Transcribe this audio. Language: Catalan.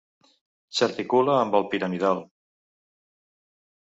S'articula amb el piramidal.